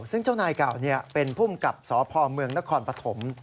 ซึ่งเจ้านายเก่าเป็นภูมิกับสพเมืองนครปฐม